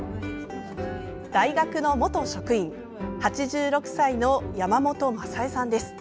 大学の元職員８６歳の山本正江さんです。